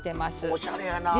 おしゃれやな！